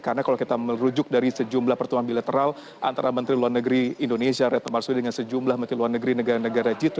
karena kalau kita merujuk dari sejumlah pertemuan bilateral antara menteri luar negeri indonesia retno marsudi dengan sejumlah menteri luar negeri negara negara g dua puluh